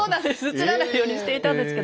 写らないようにしていたんですけど。